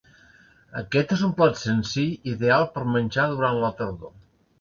Aquest és un plat senzill ideal per a menjar durant la tardor.